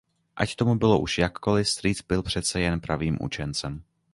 Ať tomu bylo už jakkoli, strýc byl přece jen pravým učencem.